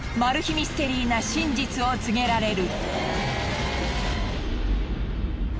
ミステリーな真実を告げられる。